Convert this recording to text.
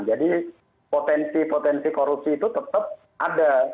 jadi potensi potensi korupsi itu tetap ada